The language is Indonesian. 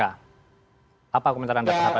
apa komentar anda terhadapnya